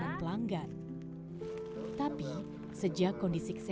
dua bulan nggak ada yang beli ini